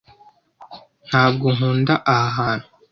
Ntabwo nkunda aha hantu.